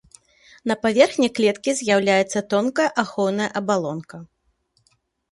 На паверхні клеткі з'яўляецца тонкая ахоўная абалонка.